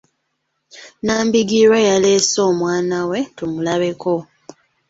Nambigirwa yaleese omwana we tumulabeko.